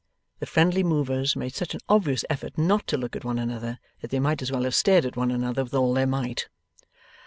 The friendly movers made such an obvious effort not to look at one another, that they might as well have stared at one another with all their might.